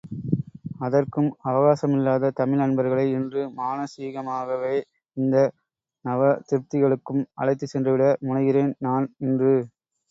அதற்கும் அவகாசமில்லாத தமிழ் அன்பர்களை இன்று மானசீகமாகவே இந்த நவதிருப்பதிகளுக்கும் அழைத்துச் சென்று விட முனைகிறேன் நான் இன்று.